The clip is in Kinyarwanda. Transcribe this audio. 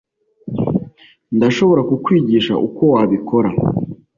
ndashobora kukwigisha uko wabikora.